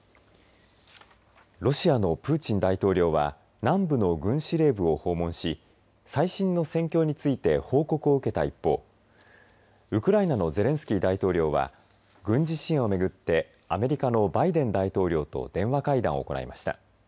ロシアのプーチン大統領は南部の軍司令部を訪問し最新の戦況について報告を受けた一方ウクライナのゼレンスキー大統領は軍事支援を巡ってアメリカのバイデン大統領と電話会談を行いました。